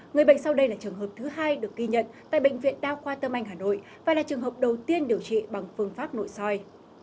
người bệnh sau đây là trường hợp thứ hai được ghi nhận tại bệnh viện đa khoa tâm anh hà nội và là trường hợp đầu tiên điều trị bằng phương pháp nội soi